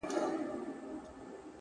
o شراب نوشۍ کي مي له تا سره قرآن کړی دی؛